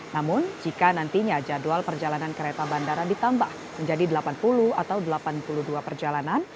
namun jika nantinya jadwal perjalanan kereta bandara ditambah menjadi delapan puluh atau delapan puluh dua perjalanan